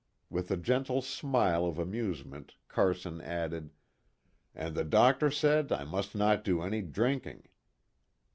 With a gentle smile of amusement Carson added "And the doctor said I must not do any drinking."